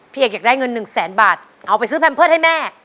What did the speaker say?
พี่เอกอยากได้เงิน๑แสนบาทเอาไปซื้อแพรมเพิศให้แม่